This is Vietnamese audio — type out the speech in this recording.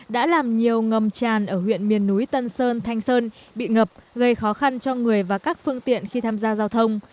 đã làm nhiều ngầm tràn ở huyện miền núi tân sơn thanh sơn bị ngập gây khó khăn cho người và các phương tiện khi tham gia giao thông